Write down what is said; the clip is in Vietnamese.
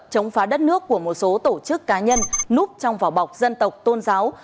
chống phá đất nước của một số tổ chức cá nhân núp trong vỏ bọc dân tộc tôn giáo